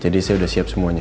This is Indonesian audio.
jadi saya sudah siap semuanya